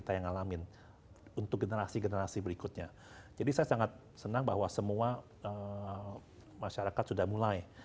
dan juga untuk mengembangkan kemampuan ekonomi